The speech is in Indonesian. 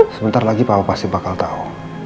sebentar lagi bapak pasti bakal tahu